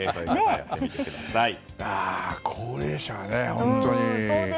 高齢者は本当に。